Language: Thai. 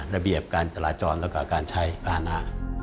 ระเบียบการจราจรแล้วก็การใช้ภานะ